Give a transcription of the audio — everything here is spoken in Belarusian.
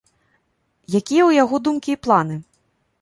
Якія ў яго думкі і планы?